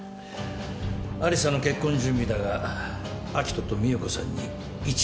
有沙の結婚準備だが明人と美保子さんに一任する。